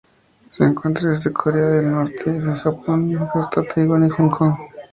Se encuentra desde Corea y el norte del Japón hasta Taiwán y Hong Kong.